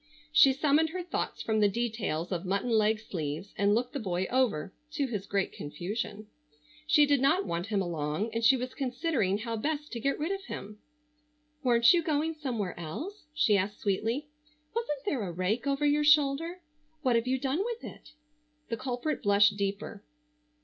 She summoned her thoughts from the details of mutton leg sleeves and looked the boy over, to his great confusion. She did not want him along, and she was considering how best to get rid of him. "Weren't you going somewhere else?" she asked sweetly. "Wasn't there a rake over your shoulder? What have you done with it?" The culprit blushed deeper.